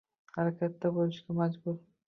harakatda bo‘lishga majbur.